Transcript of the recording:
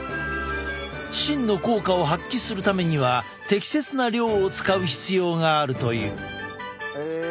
真の効果を発揮するためには適切な量を使う必要があるという。え？